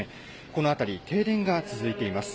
この辺り、停電が続いています。